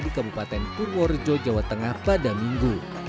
di kabupaten purworejo jawa tengah pada minggu